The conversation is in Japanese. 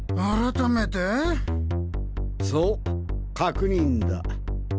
そう確認だ。